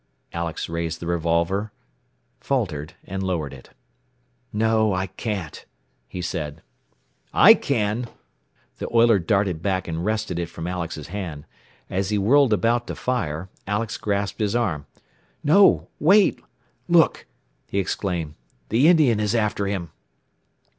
Alex raised the revolver, faltered, and lowered it. "No. I can't," he said. "I can!" The oiler darted back and wrested it from Alex's hand. As he whirled about to fire, Alex grasped his arm. "No! Wait! Look!" he exclaimed. "The Indian is after him!"